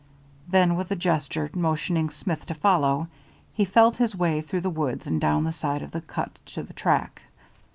Then with a gesture motioning Smith to follow, he felt his way through the woods and down the side of the cut to the track.